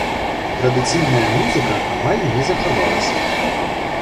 Традыцыйная музыка амаль не захавалася.